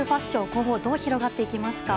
今後はどう広がっていきますか？